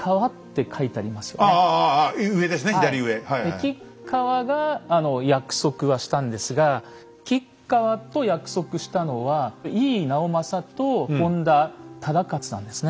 吉川が約束はしたんですが吉川と約束したのは井伊直政と本多忠勝なんですね。